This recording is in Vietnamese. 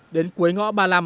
đến cuối ngõ ba mươi năm